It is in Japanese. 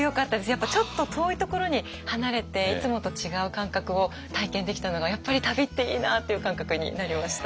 やっぱちょっと遠いところに離れていつもと違う感覚を体験できたのがやっぱり旅っていいな！っていう感覚になりました。